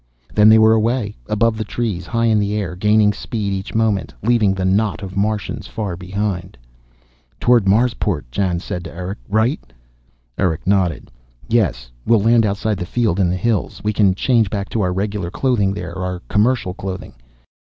Then they were away, above the trees, high in the air, gaining speed each moment, leaving the knot of Martians far behind. "Toward Marsport," Jan said to Erick. "Right?" Erick nodded. "Yes. We'll land outside the field, in the hills. We can change back to our regular clothing there, our commercial clothing.